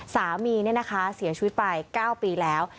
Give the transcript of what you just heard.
สามีเนี่ยนะคะเสียชีวิตไป๙ปีแล้ว